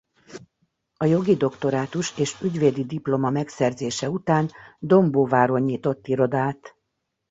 A jogi doktorátus és ügyvédi diploma megszerzése után Dombóváron nyitott irodát.